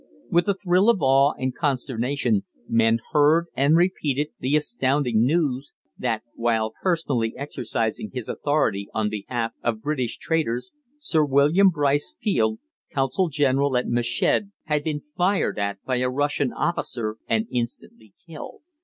With a thrill of awe and consternation men heard and repeated the astounding news that while personally exercising his authority on behalf of British traders Sir William Brice Field, Consul General at Meshed, had been fired at by a Russian officer and instantly killed.